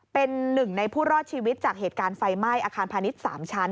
เป็นหนึ่งในผู้รอดชีวิตจากเหตุการณ์ไฟไหม้อาคารพาณิชย์๓ชั้น